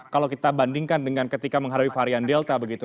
kalau kita bandingkan dengan ketika menghadapi varian delta begitu